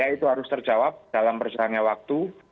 itu harus terjawab dalam berjalannya waktu